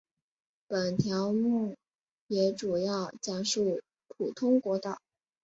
本条目也主要讲述普通国道。